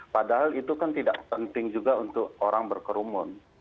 padahal itu kan tidak penting juga untuk orang berkerumun